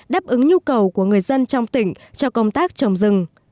đáp ứng nhu cầu của người dân trong tỉnh cho công tác trồng rừng